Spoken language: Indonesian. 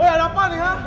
weh ada apa nih hah